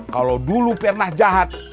kalau dulu pernah jahat